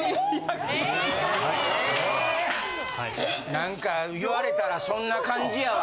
何か言われたらそんな感じやわ。